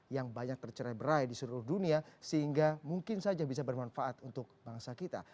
yang banyak tercerai berai di seluruh dunia sehingga mungkin saja bisa bermanfaat untuk bangsa kita